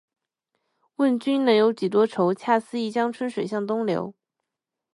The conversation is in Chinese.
问君能有几多愁？恰似一江春水向东流